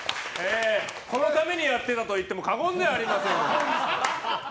このためにやってたといっても過言ではありません！